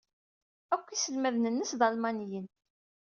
Akk iselmaden-nnes d Almaniyen.